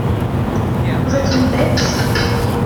Vous êtes une bête !